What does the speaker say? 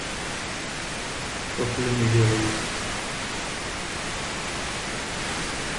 پـه خـولـه مي ژړوې